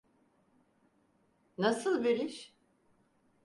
Nasıl bir iş?